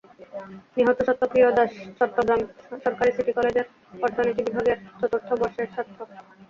নিহত সত্যপ্রিয় দাস চট্টগ্রাম সরকারি সিটি কলেজের অর্থনীতি বিভাগের চতুর্থ বর্ষের ছাত্র।